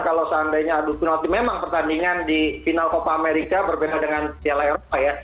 karena pertandingan di final copa america berbeda dengan piala eropa ya